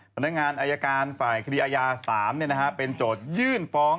พนักงานอายการฝ่ายคดีอาญา๓เป็นโจทยื่นฟ้อง